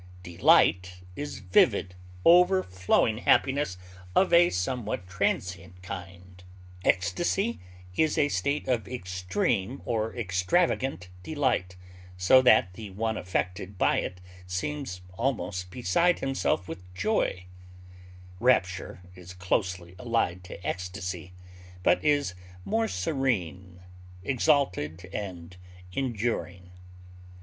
Delight is vivid, overflowing happiness of a somewhat transient kind; ecstasy is a state of extreme or extravagant delight so that the one affected by it seems almost beside himself with joy; rapture is closely allied to ecstasy, but is more serene, exalted, and enduring.